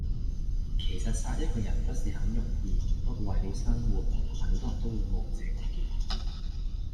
其實殺一個人不是很容易，不過為了生活，很多人都會冒這個險。